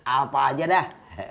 apa aja dah